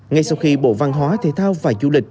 ngay sau khi bộ văn hóa thể thao và du lịch